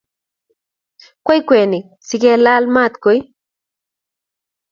Kwei kwenik sigelaale maat koi